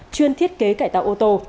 chuyên thiết kế cải tạo ô tô